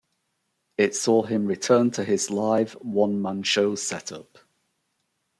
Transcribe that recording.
It saw him return to his live one-man show set up.